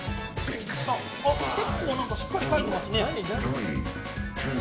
結構しっかり描いています。